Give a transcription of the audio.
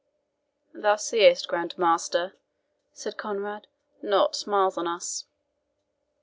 "Thou seest, Grand Master," said Conrade, "nought smiles on us."